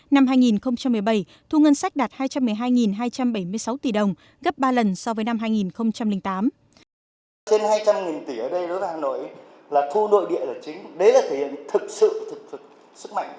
năm hai nghìn một mươi bảy thu ngân sách đạt hai trăm một mươi hai hai trăm bảy mươi sáu tỷ đồng gấp ba lần so với năm hai nghìn tám